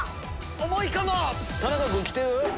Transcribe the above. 田中君きてる？